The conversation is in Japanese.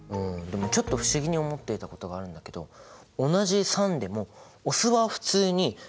でもちょっと不思議に思っていたことがあるんだけど同じ酸でもお酢は普通に食べ物に使ってるでしょ。